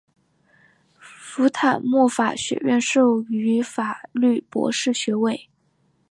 福坦莫法学院授予法律博士学位。